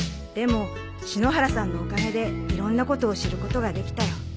でも篠原さんのおかげでいろんなことを知ることができたよ。